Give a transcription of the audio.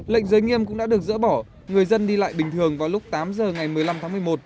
lệnh giới nghiêm cũng đã được dỡ bỏ người dân đi lại bình thường vào lúc tám giờ ngày một mươi năm tháng một mươi một